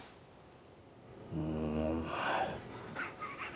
うん。